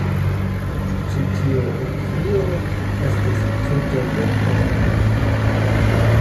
Ĉi tiu ekkrio estis tute bonkora.